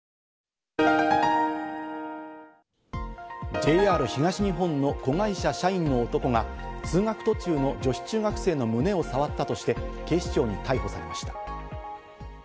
ＪＲ東日本の子会社社員の男が通学途中の女子中学生の胸を触ったとして警視庁に逮捕されました。